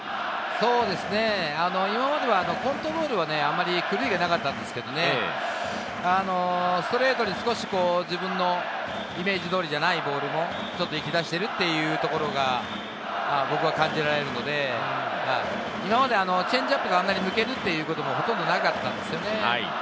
そうですね、今まではコントロールはあまり狂いがなかったんですけどね、ストレートに少し自分のイメージ通りじゃないボールもいきだしてるというところが今、僕は感じられるので、今までチェンジアップがあんなに抜けるということはほとんどなかったんですよね。